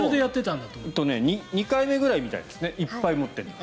２回目くらいみたいですねいっぱい持ってるのは。